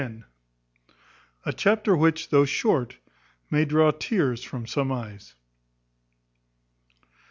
A chapter which, though short, may draw tears from some eyes.